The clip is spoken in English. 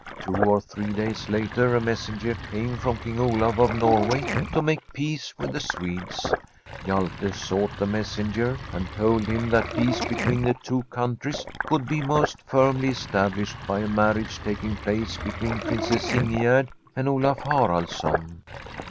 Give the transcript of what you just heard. Two or three days later a messenger came from King Olaf of Norway to make peace with the Swedes. Hjalte sought the messenger, and told him that peace between the two countries could be most firmly established by a marriage taking place between Princess Ingegerd and Olaf Har aldsson.